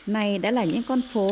này đã là những con phố